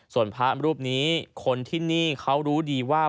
ส่วนพระรูปนี้คนที่นี่เขารู้ดีว่า